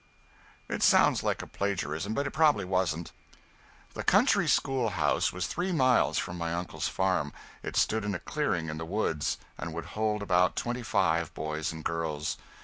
It sounds like a plagiarism, but it probably wasn't. The country schoolhouse was three miles from my uncle's farm. It stood in a clearing in the woods, and would hold about twenty five boys and girls.